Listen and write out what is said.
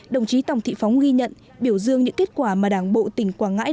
đồng chí tòng thị phóng ghi nhận biểu dương những kết quả mà đảng bộ tỉnh quảng ngãi